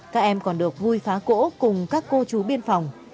các em còn được vui phá cỗ cùng các cô chú biên phòng